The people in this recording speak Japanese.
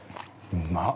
◆うまっ。